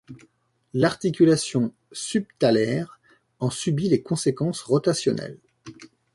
L'articulation subtalaire en subit les conséquences rotationnelles.